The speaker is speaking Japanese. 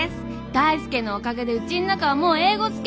大介のおかげでうちの中はもう英語漬け。